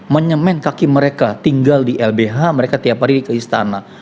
menyemen kaki mereka tinggal di lbh mereka tiap hari ke istana